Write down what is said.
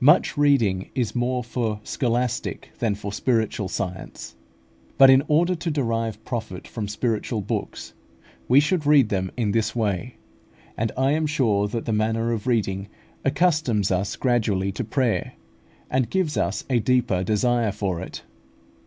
Much reading is more for scholastic than for spiritual science; but in order to derive profit from spiritual books, we should read them in this way; and I am sure that this manner of reading accustoms us gradually to prayer, and gives us a deeper desire for it.